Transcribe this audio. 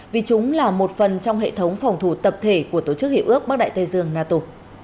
vì chúng là một phần trong hệ thống phòng thủ tập thể của tổ chức hiệp ước bắc đại tây dương nato